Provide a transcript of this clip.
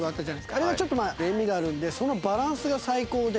あれがちょっと塩味があるんでそのバランスが最高で。